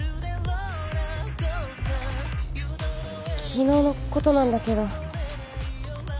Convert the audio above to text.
昨日のことなんだけど。